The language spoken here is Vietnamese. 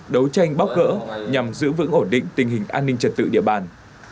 đấu tranh bóc gỡ nhằm giữ vững ổn định tình hình an ninh trật tự địa bàn